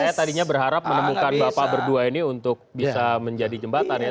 saya tadinya berharap menemukan bapak berdua ini untuk bisa menjadi jembatan ya